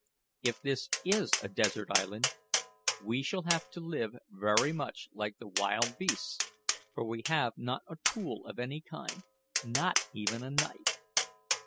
If this is a desert island, we shall have to live very much like the wild beasts; for we have not a tool of any kind not even a knife."